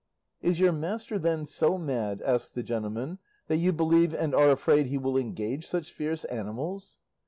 "Is your master then so mad," asked the gentleman, "that you believe and are afraid he will engage such fierce animals?"